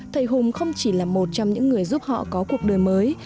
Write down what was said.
thầy hùng không chỉ là một trong những người giúp họ có cuộc đời mới